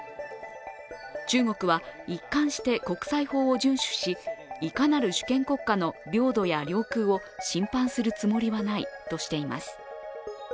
中国は一貫して国際法を順守し、いかなる主権国家の領土や領空を侵犯するつもりはないとしています。